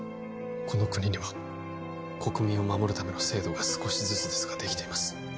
この国には国民を守るための制度が少しずつですができています